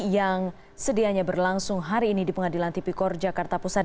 yang sedianya berlangsung hari ini di pengadilan tipikor jakarta pusat